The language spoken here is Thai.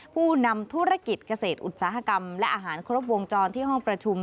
ผู้นำธุรกิจเกษตรอุตสาหกรรมและอาหารครบวงจรที่ห้องประชุม